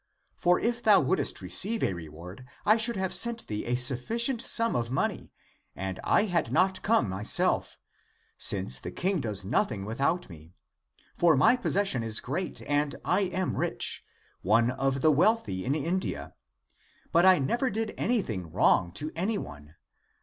For if thou wouldst receive a reward, I should have sent thee a sufficient sum of money and I had not come myself, since the king does nothing without me. For my possession is great and I am rich, one of the wealthy in India. But I never did anything wrong to anyone.